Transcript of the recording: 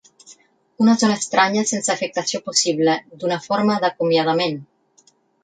Una zona estranya sense afectació possible, d'una forma d'acomiadament.